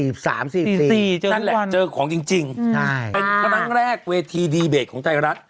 นั่นแหละเจอของจริงเป็นครั้งแรกเวทีดีเบตของไทยรัฐ